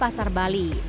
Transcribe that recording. dan pasar bali